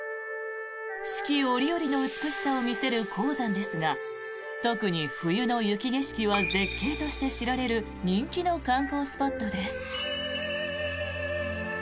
四季折々の美しさを見せる衡山ですが特に冬の雪景色は絶景として知られる人気の観光スポットです。